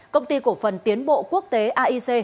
công ty cổ phần tiến bộ quốc tế aic